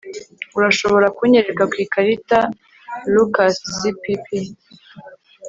Urashobora kunyereka ku ikarita lukaszpp